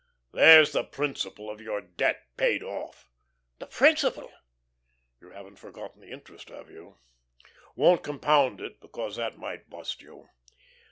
There's the principal of your debt paid off." "The principal?" "You haven't forgotten the interest, have you? won't compound it, because that might bust you.